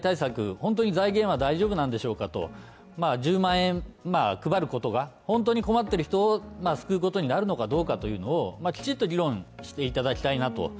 本当に財源は大丈夫なんでしょうかと１０万円配ることが本当に困ってる人を救うことになるのかどうかというのをきちっと議論していただきたいなと。